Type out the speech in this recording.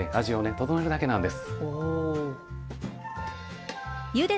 調えるだけなんです。